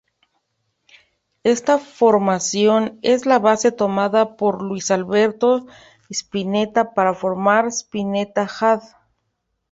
Esta formación es la base tomada por Luis Alberto Spinetta para formar Spinetta Jade.